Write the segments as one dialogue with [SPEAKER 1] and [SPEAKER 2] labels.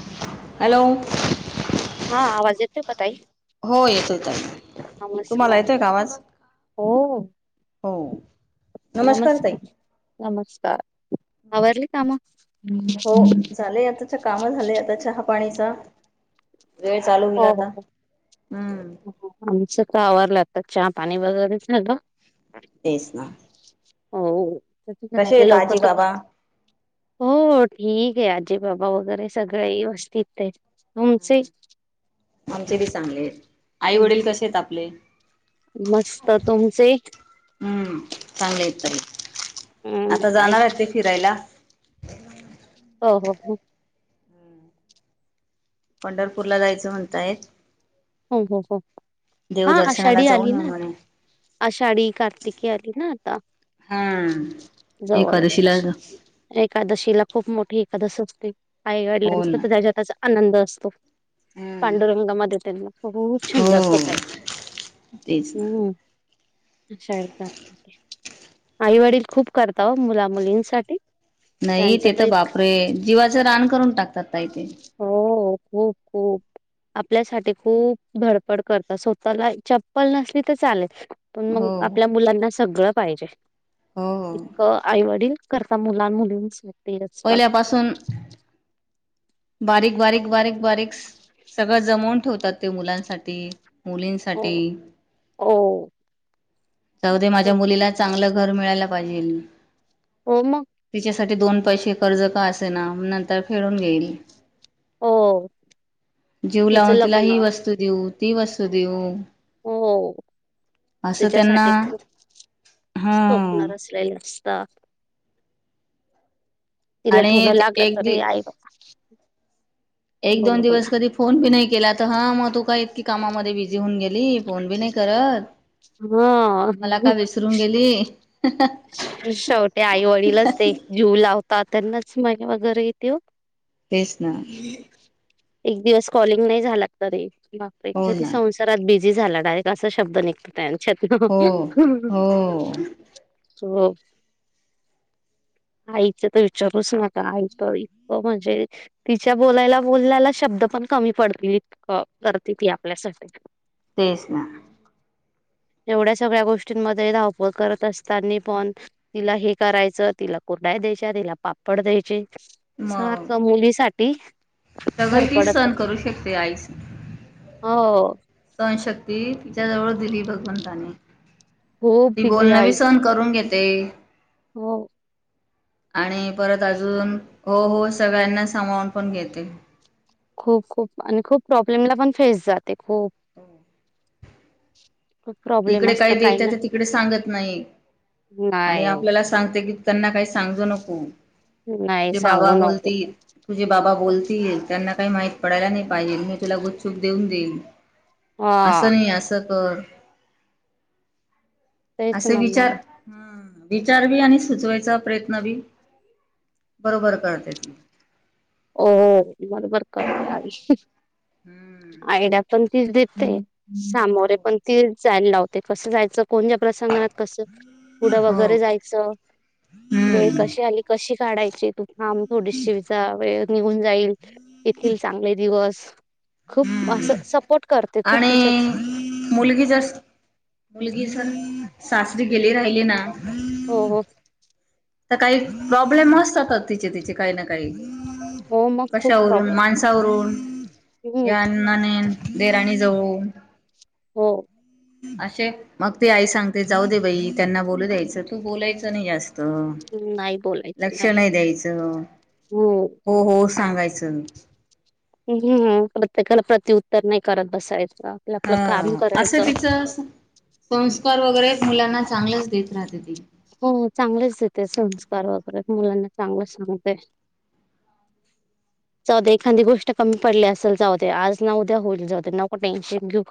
[SPEAKER 1] ह हॅलो
[SPEAKER 2] पताई
[SPEAKER 1] हो येतो येत
[SPEAKER 2] नमस्कार हो
[SPEAKER 1] हो
[SPEAKER 2] नमस्कार नमस्कार आवरवरले कामा
[SPEAKER 1] हो झालंय आताच्या काम झाले आता चहा पाणीचा वेळ चालू होईल
[SPEAKER 2] हो
[SPEAKER 1] आता
[SPEAKER 2] हो हो.
[SPEAKER 1] हम्म
[SPEAKER 2] वर लागतात चहा पाणी वगैरेच नाही ग
[SPEAKER 1] तेच ना
[SPEAKER 2] हो
[SPEAKER 1] कसे
[SPEAKER 2] आपले
[SPEAKER 1] आहेत
[SPEAKER 2] लवकर
[SPEAKER 1] आजी
[SPEAKER 2] तर का
[SPEAKER 1] बाबा
[SPEAKER 2] हो ठीक आहे आ आजी बाबा वगैरे सगळे व्यवस्थित हे. हम् साईज.
[SPEAKER 1] आमचे बी चांगले आहेत, आई वडील
[SPEAKER 2] हम्म,
[SPEAKER 1] कसे आहेत आपले? [inaudible]
[SPEAKER 2] मस्त. तुमचे?
[SPEAKER 1] हम्म चांगले आहेत ताई आता
[SPEAKER 2] अं
[SPEAKER 1] जाणार
[SPEAKER 2] ऐक
[SPEAKER 1] आहे ते फिरायला
[SPEAKER 2] हो हो
[SPEAKER 1] पंढरपूरला जायचं म्हणताय
[SPEAKER 2] हो हो हो हा आषाढी
[SPEAKER 1] जाऊन
[SPEAKER 2] आली
[SPEAKER 1] येऊ
[SPEAKER 2] ना,
[SPEAKER 1] म्हणे
[SPEAKER 2] आषाढी कार्तिकी आली ना आता,
[SPEAKER 1] हम्म एकादशीला
[SPEAKER 2] जवळच. एकादशीला खूप मोठ एखादा सोचते आई
[SPEAKER 1] हो
[SPEAKER 2] वडलांचं
[SPEAKER 1] ना
[SPEAKER 2] पण त्याच्यात अस आनंद असतो
[SPEAKER 1] हम्म
[SPEAKER 2] पांडुरंग मध्ये त्यांना बहुत छंद
[SPEAKER 1] हो
[SPEAKER 2] असतो ताई,
[SPEAKER 1] तेच ना
[SPEAKER 2] हम्म अशा एकदा आईवडील खूप करता हो मुला मुलींसाठी.
[SPEAKER 1] नाही
[SPEAKER 2] त्यांचं
[SPEAKER 1] ते तर
[SPEAKER 2] इतकं
[SPEAKER 1] बापरे, जीवाचं रान करून टाकतात ताई ते
[SPEAKER 2] हो खूप खूप आपल्यासाठी खूप धडपड करतात स्वतःला चप्पल नसली तर चालेल पण मग
[SPEAKER 1] हो
[SPEAKER 2] आपल्या मुलांना सगळं पाहिजे हो, आईवडील करता मुलां मुलीच
[SPEAKER 1] पहिल्यापासून बारीक बारीक बारीक बारीक सगळं जमवून ठेवतात ते मुलांसाठी
[SPEAKER 2] हो
[SPEAKER 1] मुलींसाठी.
[SPEAKER 2] हो
[SPEAKER 1] जाउदे, माझ्या
[SPEAKER 2] खूप.
[SPEAKER 1] मुलीला चांगलं घर मिळायला पाहिली
[SPEAKER 2] हो मग
[SPEAKER 1] तिच्यासाठी दोन पैसे कर्ज का असेना, नंतर फेडून घेईल.
[SPEAKER 2] हो
[SPEAKER 1] जीव
[SPEAKER 2] तिचं
[SPEAKER 1] लावून तिला
[SPEAKER 2] लग्न
[SPEAKER 1] ही वस्तू देऊ ती वस्तू देऊ
[SPEAKER 2] हो
[SPEAKER 1] असं त्यांना
[SPEAKER 2] तिच्यासाठी खूप,
[SPEAKER 1] हा
[SPEAKER 2] ठोपणार असलेले का? तिला थोडं
[SPEAKER 1] आणि
[SPEAKER 2] लागलं
[SPEAKER 1] एक
[SPEAKER 2] तरी
[SPEAKER 1] दि
[SPEAKER 2] आई
[SPEAKER 1] एक
[SPEAKER 2] बोला
[SPEAKER 1] दोन
[SPEAKER 2] बोला
[SPEAKER 1] दिवस कधी फोन बी नाही केला तर हा मग तू का इतकी कामामध्ये बिझी होऊन गेली फोन बी नाही करत
[SPEAKER 2] हा
[SPEAKER 1] मला का विसरून गेली
[SPEAKER 2] शेवटे आई वडीलच ते जीव लावतात त्यांनाच माया वगैरे येते
[SPEAKER 1] तेच ना
[SPEAKER 2] एक दिवस कॉलिंग नाही झाला तरी बापरे
[SPEAKER 1] हो
[SPEAKER 2] किती
[SPEAKER 1] ना
[SPEAKER 2] संसारात बिझी झाला डायरेक्ट असा शब्द निघताना छत्र
[SPEAKER 1] हो हो
[SPEAKER 2] हो आईच तर विचारूच नका आई तर इतकं म्हणजे तिच्या बोलायला बोलल्याला शब्द पण कमी पडतील करती ती आपल्यासाठी
[SPEAKER 1] तेच ना
[SPEAKER 2] एवढ्या सगळ्या गोष्टींमध्ये धावपळ करत असत नी पण तिला हे करायचं तिला कुर्ड्या द्यायच्या तिला पापड द्यायचे सारखं मुलीसाठी ते
[SPEAKER 1] सगळ ती सहण करू शकते आईस
[SPEAKER 2] हो
[SPEAKER 1] सहण शक्ती तिच्या जवळ दिली भगवंतांनी
[SPEAKER 2] खूप
[SPEAKER 1] ती
[SPEAKER 2] दिली
[SPEAKER 1] बोलणी बी
[SPEAKER 2] आईज
[SPEAKER 1] सहन करून घेतली ते
[SPEAKER 2] हो
[SPEAKER 1] आणि परत अजून हो हो सगळ्यांना सांभाळून पण घेते
[SPEAKER 2] खूप खूप आणि खूप प्रॉब्लेमला पण फेस जात ते खूप खूप प्रॉब्लेम
[SPEAKER 1] इकडे
[SPEAKER 2] असत
[SPEAKER 1] काही देत
[SPEAKER 2] ना
[SPEAKER 1] तर तिकडे सांगत नाही आणि
[SPEAKER 2] नाही
[SPEAKER 1] आपल्याला सांगते की त्यांना काही सांगू नको
[SPEAKER 2] नाही
[SPEAKER 1] तुझे बाबा
[SPEAKER 2] सांगू नको
[SPEAKER 1] बोलतील तुझे बाबा बोलतील त्यांना काही माहिती पडायला नाही पाहिजे मी तुला गुपच्छुप देऊन देईन
[SPEAKER 2] हा
[SPEAKER 1] असं नाही असं बर
[SPEAKER 2] तेच
[SPEAKER 1] असं
[SPEAKER 2] ना
[SPEAKER 1] विचार
[SPEAKER 2] मग
[SPEAKER 1] ह विचार बी आणि सुचवायचा प्रयत्न बी बरोबर करते त
[SPEAKER 2] हो बरोबर करते आई
[SPEAKER 1] हम्म
[SPEAKER 2] आयडिया पण तीच देत आहे सामोरे
[SPEAKER 1] हो
[SPEAKER 2] पण ते जायला लावते कसं जायचं कोणत्या प्रसंगणात कसं पुढं
[SPEAKER 1] हो
[SPEAKER 2] वगैरे जायचं वेळ
[SPEAKER 1] हम्म
[SPEAKER 2] कशी आली कशी काढायचे तू हां मग थोडी शिवचा निघून जाईल येथील चांगले दिवस ह खूप असं
[SPEAKER 1] हम्म
[SPEAKER 2] सपोर्ट
[SPEAKER 1] आणि
[SPEAKER 2] तिच्याच
[SPEAKER 1] मुलगी ज मुलगी जर सासरी गेले राहिले ना
[SPEAKER 2] हो हो
[SPEAKER 1] तर काही प्रॉब्लेम असतातात तिचे तिचे काही ना काही
[SPEAKER 2] हो मग खूप
[SPEAKER 1] कशावरून
[SPEAKER 2] प्रॉब्लेम
[SPEAKER 1] माणसावरूनून
[SPEAKER 2] हम्म
[SPEAKER 1] याने देराणी जव
[SPEAKER 2] हो
[SPEAKER 1] असे मग तेी आई सांगते जाऊ दे बाई त्यांना बोलू द्यायचं तू बोलायचं नाही जास्त
[SPEAKER 2] नाही बोलायचं
[SPEAKER 1] लक्ष नाही द्यायचं
[SPEAKER 2] हो
[SPEAKER 1] हो हो सांगायचं
[SPEAKER 2] हम् प्रत्येकाला प्रत्यउत्तर नाही करत बसायचं आपलं
[SPEAKER 1] ह
[SPEAKER 2] आपलं काम
[SPEAKER 1] असं
[SPEAKER 2] करायचं
[SPEAKER 1] तिच संस्कार वगैरेच मुलांना चांगलंच तेेत राहते ती
[SPEAKER 2] हो चांगलेच देते संस्कार वगैरे मुलांना चांगलं सांगते जाऊद एखादी गोष्ट कमी पडली असेल जाऊते आज न उद्या होईल जाऊ नक टेन्शन घेऊ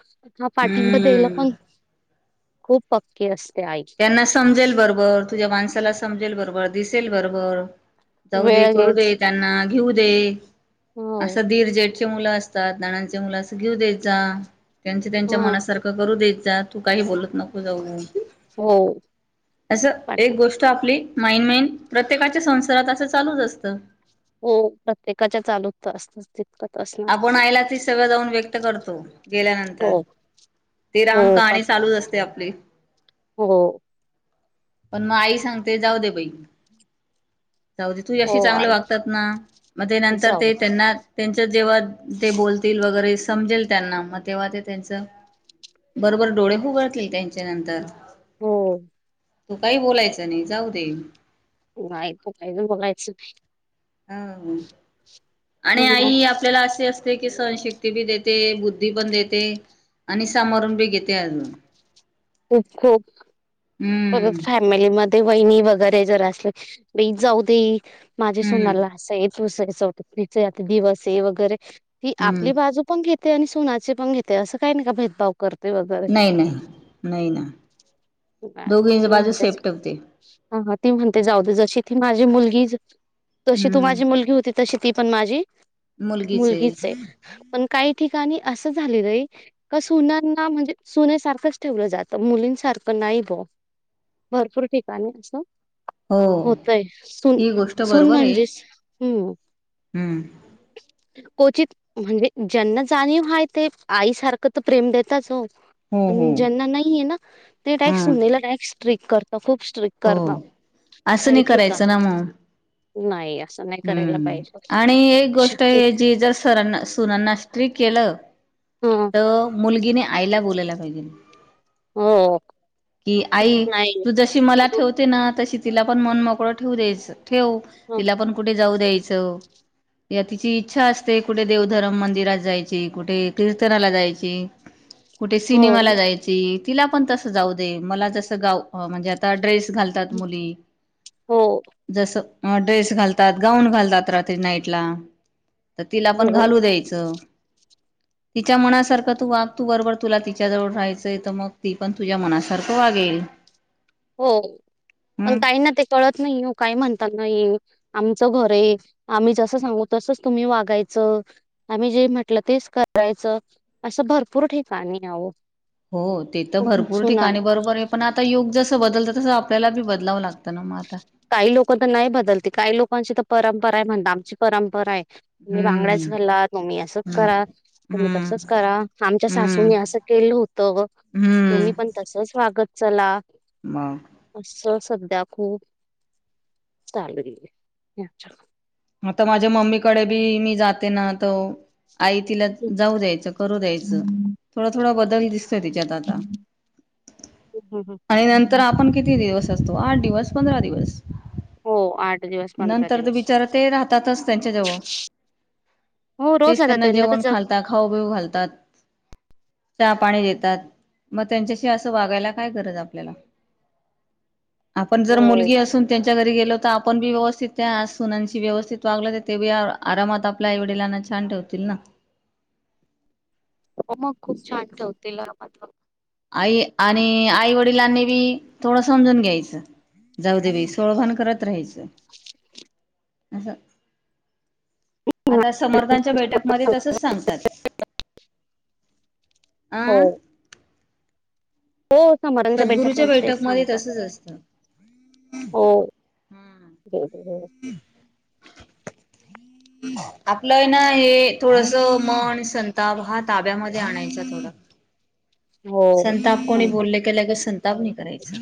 [SPEAKER 2] आ पाठिंबा द्यायला
[SPEAKER 1] हम्म
[SPEAKER 2] पण खूप पक्क असते आई
[SPEAKER 1] त्यांना समजेल बरोबर ब बर तुझ्या माणसाला समजेल बरोबर दिसेल बरोबर जाऊ दे करू दे
[SPEAKER 2] वेळेच
[SPEAKER 1] त्यांना घेऊ दे
[SPEAKER 2] हो
[SPEAKER 1] असं दीर जेट मुलं असतात नानांचे मुलं अस घेऊ द्यायचा त्यांच त्यांच्या
[SPEAKER 2] ह
[SPEAKER 1] मनासारखं करू द्याच तू काही बोलत नको जाऊ
[SPEAKER 2] हो
[SPEAKER 1] असं
[SPEAKER 2] पाठी
[SPEAKER 1] एक गोष्ट आपली माईनमेन प्रत्येकाच्या संसारात असं चालूच असतं
[SPEAKER 2] हो प्रत्येकाच्या चालू असत
[SPEAKER 1] आपण आयला ती सगळं जाऊन व्यक्त करतो गेल्यानंतर
[SPEAKER 2] हो
[SPEAKER 1] ती राम
[SPEAKER 2] हो का
[SPEAKER 1] कहाणी चालूच असते आपली.
[SPEAKER 2] हो
[SPEAKER 1] पण मग आई सांगते जाऊ दे बाई जाऊ दे
[SPEAKER 2] हो
[SPEAKER 1] तूज्याशी चांगलं
[SPEAKER 2] आई
[SPEAKER 1] वागतात ना, मग ते नंतर
[SPEAKER 2] जाऊ
[SPEAKER 1] ते त्यांना त्यां जेव्हा ते बोलतील वगैरे समजेल त्यांना मग तेव्हा ते त्यांच बरोबर डोळे फुगडतील त्यांच्या नंतर
[SPEAKER 2] हो
[SPEAKER 1] तो काही बोलायचा नाही जाऊ दे
[SPEAKER 2] नाही बो काय बोघायचं नाही
[SPEAKER 1] ह ह आणि
[SPEAKER 2] हो,
[SPEAKER 1] आई आपल्याला असशी असते की सहनशक्ती बी देते, बुद्धी पण देते आणि सामोरून बी घेते अजून
[SPEAKER 2] खूप खूप
[SPEAKER 1] हम्म
[SPEAKER 2] परत फॅमिलीमध्ये ते बहिणी वगैरे जर असले बी जाऊ दे माझे
[SPEAKER 1] हम्म
[SPEAKER 2] सुनाला असं आहे ततस [unintelligible] आता दिवस हे वगैरे ती
[SPEAKER 1] हम्म
[SPEAKER 2] आपली बाजू पण घेत ते आणि सोनाचे पण घेते असं काही नाही का भेदभव करत
[SPEAKER 1] नाही नाही नाही ना
[SPEAKER 2] नाही
[SPEAKER 1] दोघ
[SPEAKER 2] ती
[SPEAKER 1] इंजबाजू
[SPEAKER 2] म्हणतेच
[SPEAKER 1] सेफ ठेवते
[SPEAKER 2] हां, ती म्हणते जाऊ दे जशी ती माझी मुलगी तशी तू
[SPEAKER 1] हम्म
[SPEAKER 2] माझी मुलगी होती. तशी ती पण माझी मुलगीच आहे, पण काय? ठिकाणी असं झालेल आहे का सुनांना म्हणजे सुनेसारखंच ठेवलं जात मुलींसारखं नाही हो भरपूर ठिकाणी असं
[SPEAKER 1] हो
[SPEAKER 2] होतय सून
[SPEAKER 1] ही गोष्ट
[SPEAKER 2] सून
[SPEAKER 1] बरोबर आहे
[SPEAKER 2] म्हणजेच हम्
[SPEAKER 1] हम्म
[SPEAKER 2] क्वचित म्हणजे ज्यांना जाणीव हाय ते आईसारखं तर प्रेम देताच हो
[SPEAKER 1] हो हो
[SPEAKER 2] ज्यांना नाहीय ना ते टॅक्स
[SPEAKER 1] हम्म
[SPEAKER 2] सुनेला [inaudible] स्क्रिक्ट करत [inaudible]
[SPEAKER 1] हो असं नाही करायचं ना मग
[SPEAKER 2] नाही असं नाही करायला
[SPEAKER 1] हम्
[SPEAKER 2] पाहिजे.
[SPEAKER 1] आणि एक गोष्ट हे जी जर सरांना सुनांना स्ट्रीक केलं
[SPEAKER 2] हां.
[SPEAKER 1] तर मुलगीने आईला बोल लायला पाहिजे
[SPEAKER 2] हो
[SPEAKER 1] की आई
[SPEAKER 2] नाही
[SPEAKER 1] तू जशी मला ठेवते ना तशी तिला पण मन मोकळं ठेव द्यायच ठेवु तिला पण कुठे जाऊ द्याय या तिची इच्छा असते कुठे देवधरम मंदिरात जायची कुठे कीर्तनाला जायची कुठे सिनेमाला
[SPEAKER 2] हो,
[SPEAKER 1] जायची तिला पण तस जाऊ दे मला जस म्हणजे आता ड्रेस घालतात मुली
[SPEAKER 2] हो,
[SPEAKER 1] जस अ ड्रेस घालतात गाऊन घालतात रात्री नाईट ला तर तिला पण
[SPEAKER 2] हो,
[SPEAKER 1] घालू द्यायचं तिच्या मनासारखं तू वाग तू बरोबर तुला तिच्या जवळ राहायचंय तर मग ती पण तुझ्या मनासारखं वागेल.
[SPEAKER 2] हो अ
[SPEAKER 1] हम्म
[SPEAKER 2] काय ना तेे कळत नाही काही म्हणत नाही आमचं घर आहे, आम्ही जसं सांगू तसच तुम्ही वागायचं, आम्ही जे म्हटलं तेच करायचं, असं भरपूर ठिकाणी आहे
[SPEAKER 1] हो ते तर भरपूर
[SPEAKER 2] सुना
[SPEAKER 1] ठिकाणी बरोबर आहे पण, आता योग जस बदलतात तसं आपल्याला बी बदलावं लागत.
[SPEAKER 2] काही लोक तर नाही बदलते, काही लोकांची तर परंपरा आहे म्हणत, आमची परंपरा आहे. तुम्ही बांगड्याच
[SPEAKER 1] हम्म
[SPEAKER 2] घालात, मग्मी असच
[SPEAKER 1] हम्म
[SPEAKER 2] करा तुम्ही
[SPEAKER 1] हम्म
[SPEAKER 2] तसच करा आमच्या
[SPEAKER 1] हम्म
[SPEAKER 2] सासूने असं केलं होतं तुम्ही
[SPEAKER 1] हम्म
[SPEAKER 2] पण तसच वागत चला
[SPEAKER 1] मग
[SPEAKER 2] असं सध्या खूप चालगरी
[SPEAKER 1] आता माझ्या मम्मीकडे बी मी जाते ना त आई तिला जाऊ द्यायचं करू द्यायचं
[SPEAKER 2] हम्म
[SPEAKER 1] थोडा थोडा बदल दिसतोय तिच्यात आता आणि नंतर
[SPEAKER 2] हम्म.
[SPEAKER 1] आपण किती दिवस आठ दिवस पंधरा दिवस
[SPEAKER 2] हो आ
[SPEAKER 1] नंतर तर बिचारा ते राहतातच त्यांच्या जवळ
[SPEAKER 2] हो रोज
[SPEAKER 1] तेच
[SPEAKER 2] आता
[SPEAKER 1] त्यांना
[SPEAKER 2] तर
[SPEAKER 1] जेवण
[SPEAKER 2] जग
[SPEAKER 1] खालतात खाऊबिऊ घालतात चहा पाणी देतात मग त्यांच्याशी असं वागायला काय गरज आपल्याला आपण जर
[SPEAKER 2] हो
[SPEAKER 1] मुलगी असून त्यांच्या घरी गेलो तर आपण बी व्यवस्थित त्या सुनांशी व्यवस्थित वागलं तर ते बी आरामात आपल्या आई वडिलांना छान ठेवतील ना
[SPEAKER 2] हो मग खूप छान ठेवते ल मात
[SPEAKER 1] आई आणि आई वडिलांनी बी थोडं समजून घ्यायचं जाऊ दे बी सोळभण करत राहायचं [inaudible] असं आता समर्थांच्या बैठकमध्ये तसच सांगतात
[SPEAKER 2] हो
[SPEAKER 1] अं
[SPEAKER 2] हो समर्थांच्या बैठक
[SPEAKER 1] सद्गुरूच्या
[SPEAKER 2] मध्ये
[SPEAKER 1] बैठकमध्ये
[SPEAKER 2] सांगत
[SPEAKER 1] तसच असतं
[SPEAKER 2] हो
[SPEAKER 1] आपलं ना हे थोडस मन संताप हा ताब्यामध्ये आणायचा थोडा
[SPEAKER 2] हो
[SPEAKER 1] संताप कोणी
[SPEAKER 2] सांगतात
[SPEAKER 1] बोलले केल्या क संताप नाही करायचा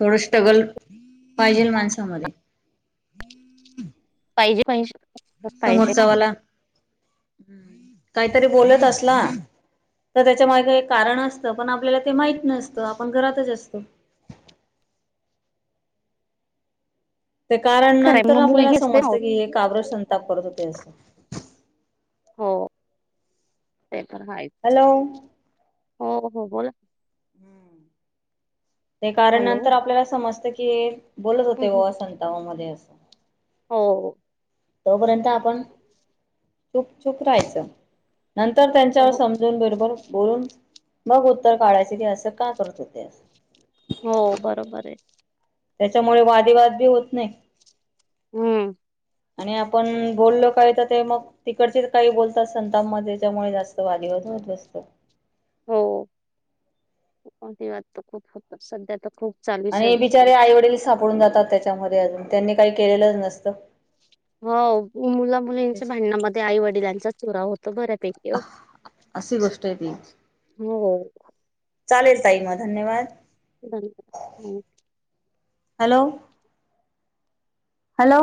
[SPEAKER 1] थोडं स्ट्रगल पाहिजेल माणसामध्ये
[SPEAKER 2] पाहिजे पाहि
[SPEAKER 1] समोरचावाला काहीतरी बोलत असला तर त्याच्या मागे का एक कारण असतं पण आपल्याला ते माहित नसतं आपण घरातच असतो ते कारण
[SPEAKER 2] खरं आहे.
[SPEAKER 1] नंतर
[SPEAKER 2] मग
[SPEAKER 1] आपल्याला
[SPEAKER 2] मुलगी असते ना
[SPEAKER 1] समजतं की हे काग्र संताप करत होतो तेच
[SPEAKER 2] हो ते पण हायच
[SPEAKER 1] हॅलो
[SPEAKER 2] हो हो बोला
[SPEAKER 1] ते कारण
[SPEAKER 2] हॅलो
[SPEAKER 1] नंतर आपल्याला समजत केळ बोलत होते
[SPEAKER 2] हम्म,
[SPEAKER 1] व
[SPEAKER 2] हम्म.
[SPEAKER 1] असंतावामध्ये
[SPEAKER 2] हो
[SPEAKER 1] तोपर्यंत चूप चुप राहायच नंतर त्यांच्यावर
[SPEAKER 2] हो
[SPEAKER 1] समजून बरोबर बोलून मग उत्तर काढायचं की असं का करत होते
[SPEAKER 2] हो बरोबर आहे
[SPEAKER 1] त्याच्यामुळे वादिवाद बी होत नाही
[SPEAKER 2] हम्म
[SPEAKER 1] आणि आपण बोललो काही तर ते मग तिकडचेच काही बोलतात संताप म त्याच्यामुळे जास्त वादिवाद होत ब असतो
[SPEAKER 2] हो वा तर खूप होत सध्या तर खूप चालू आहे
[SPEAKER 1] आणि बिचारे आई
[SPEAKER 2] सगळीकडेच.
[SPEAKER 1] वडील सापडून जातात त्याच्यामध्ये अजून त्यांनी काही केलेलंच नसतं
[SPEAKER 2] हो मुला मुलींच्या भांडणामध्ये आई वडिलांचाच त हो
[SPEAKER 1] अ अशी गोष्ट आहे ती
[SPEAKER 2] हो
[SPEAKER 1] चालेल ताई म धन्यवाद
[SPEAKER 2] थँकू
[SPEAKER 1] हॅलो हॅलो